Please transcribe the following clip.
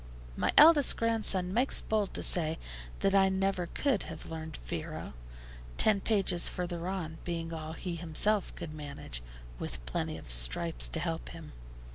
My eldest grandson makes bold to say that I never could have learned [Greek word], ten pages further on, being all he himself could manage, with plenty of stripes to help him.